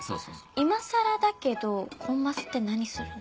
今更だけどコンマスって何するの？